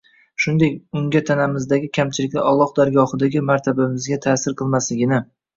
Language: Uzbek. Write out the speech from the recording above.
Shuningdek, unga tanamizdagi kamchiliklar Alloh dargohidagi martabamizga ta’sir qilmasligini